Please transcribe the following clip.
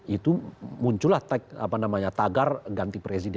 itu muncul lah tagar ganti kursi